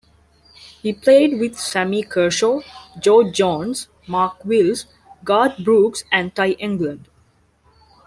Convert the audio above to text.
He played with Sammy Kershaw, George Jones, Mark Wills, Garth Brooks, and Ty England.